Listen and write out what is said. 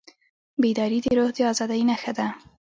بیداري د روح د ازادۍ نښه ده.